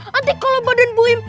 nanti kalau badan boeim